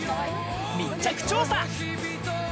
密着調査。